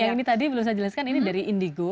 yang ini tadi belum saya jelaskan ini dari indigo